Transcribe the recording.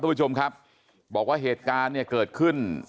ผู้ชมครับบอกว่าเหตุการณ์เนี่ยเกิดขึ้น